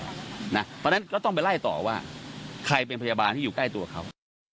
เพราะฉะนั้นก็ต้องไปไล่ต่อว่าใครเป็นพยาบาลที่อยู่ใกล้ตัวเขา